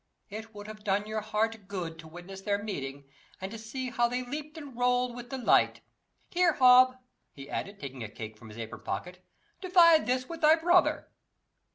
It would have done your heart good to witness their meeting, and to see how they leaped and rolled with delight. Here, Hob," he added, taking a cake from his apron pocket, "divide this with thy brother."